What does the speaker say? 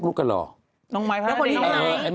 ครอยแบกแล้วอีกดีกว่าราว